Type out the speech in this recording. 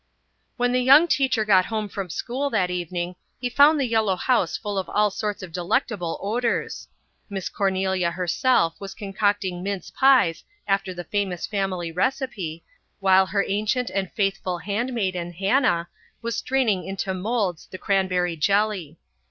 When the young teacher got home from school that evening he found the yellow house full of all sorts of delectable odours. Miss Cornelia herself was concocting mince pies after the famous family recipe, while her ancient and faithful handmaiden, Hannah, was straining into moulds the cranberry jelly.